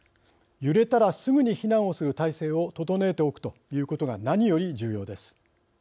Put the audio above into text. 揺れたらすぐに避難をする体制を整えておくということが何より重要です。